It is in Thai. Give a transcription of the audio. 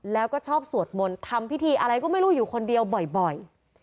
แล้วก็ชอบสวดมนต์ทำพิธีอะไรก็ไม่รู้อยู่คนเดียวบ่อย